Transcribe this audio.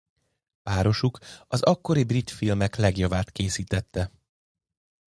Párosuk az akkori brit filmek legjavát készítette.